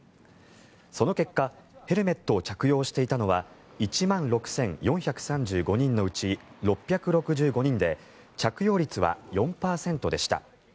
その結果、ヘルメットを着用していたのは１万６４３５人のうち６６５人で着用率は４％でした。